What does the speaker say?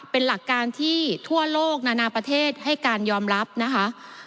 เป็นหลักการที่ทั่วโลกนานาประเทศให้การยอมรับนะคะ